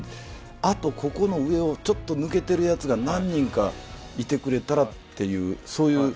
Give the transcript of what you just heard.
あとここの上をちょっと抜けているやつが何人かいてくれたらていう、そういう。